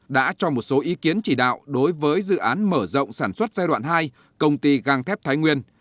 đã cho một số ý kiến chỉ đạo đối với dự án mở rộng sản xuất giai đoạn hai công ty găng thép thái nguyên